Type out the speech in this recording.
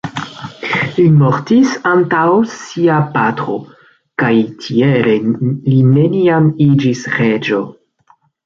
Li mortis antaŭ sia patro kaj tiele li neniam iĝis reĝo.